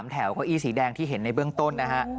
แถวเก้าอี้สีแดงที่เห็นในเบื้องต้นนะฮะ